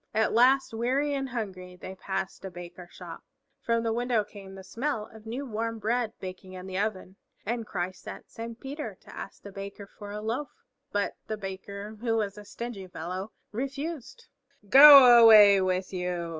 At last, weary and hungry, they passed a Baker's shop. From the window came the smell of new warm bread baking in the oven, and Christ sent Saint Peter to ask the Baker for a loaf. But the Baker, who was a stingy fellow, refused. "Go away with you!"